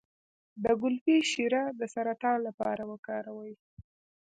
د ګلپي شیره د سرطان لپاره وکاروئ